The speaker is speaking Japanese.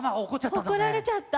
おこられちゃった？